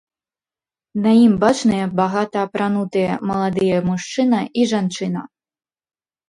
На ім бачныя багата апранутыя маладыя мужчына і жанчына.